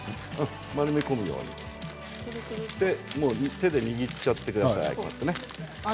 手で握っちゃってください。